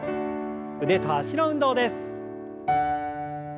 腕と脚の運動です。